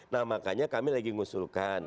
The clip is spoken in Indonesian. nah makanya kami lagi mengusulkan